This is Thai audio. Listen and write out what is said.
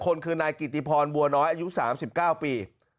คนคือนายกิติพรบัวน้อยอายุ๓๙ปี